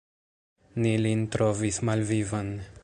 Ni lin trovis malvivan.